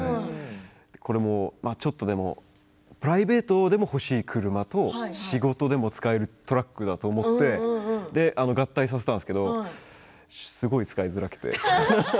これも、ちょっとでもプライベートでも欲しい車と仕事でも使えるトラックだと思って合体させたんですけどすごい使いづらくて。